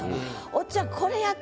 おっちゃん。